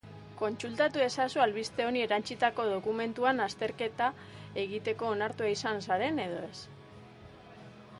Kontsultatu ezazu albiste honi erantsitako dokumentuan azterketa egiteko onartua izan zaren edo ez.